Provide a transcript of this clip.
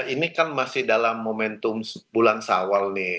ini kan masih dalam momentum bulan sawal nih